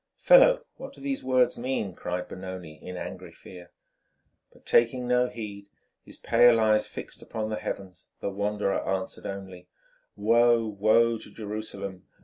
"Fellow, what do these words mean?" cried Benoni in angry fear. But, taking no heed, his pale eyes fixed upon the heavens, the wanderer answered only, "Woe, woe to Jerusalem!